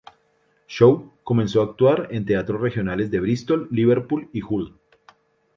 Shaw comenzó a actuar en teatros regionales de Bristol, Liverpool y Hull.